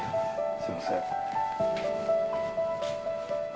すいません。